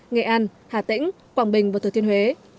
nghệ an hà tĩnh quảng bình và thừa thiên huế